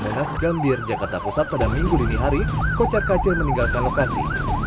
monas gambir jakarta pusat pada minggu dini hari kocak kacir meninggalkan lokasi